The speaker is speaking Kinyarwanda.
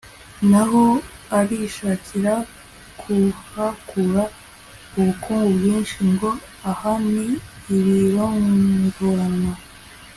naho arishakira kuhakura ubukungu bwinshi, ngo aha ni ibirongoranwa